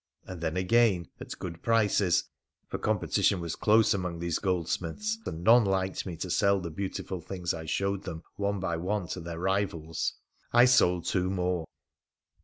And then again at good prices — for competition was close among these goldsmiths, and none liked me to sell the beautiful things I showed them one by one to their rivals — I sold two more.